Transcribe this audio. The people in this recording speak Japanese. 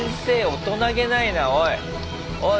大人気ないなおい。